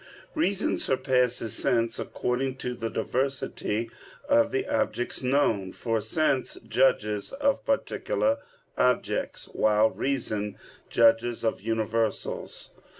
Reason surpasses sense according to the diversity of the objects known; for sense judges of particular objects, while reason judges of universals.